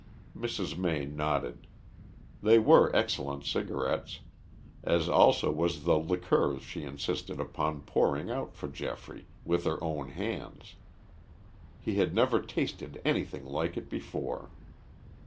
Mrs. May nodded. They were excellent cigarettes, as also was the liqueur she insisted upon pouring out for Geoffrey with her own hands. He had never tasted anything like it before.